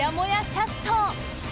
チャット。